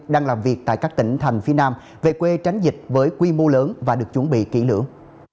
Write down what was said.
đang làm việc tại các tỉnh thành phía nam về quê tránh dịch với quy mô lớn và được chuẩn bị kỹ lưỡng